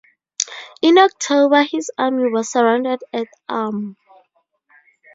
In October his army was surrounded at Ulm.